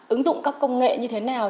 ứng dụng các công nghệ như thế nào